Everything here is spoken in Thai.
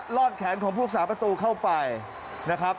อดแขนของพวกสาประตูเข้าไปนะครับ